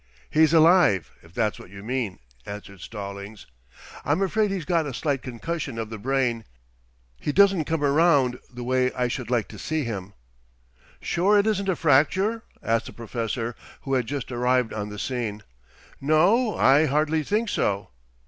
"He's alive, if that's what you mean," answered Stallings. "I'm afraid he's got a slight concussion of the brain. He doesn't come around the way I should like to see him." "Sure it isn't a fracture!" asked the Professor, who had just arrived on the scene. "No, I hardly think so."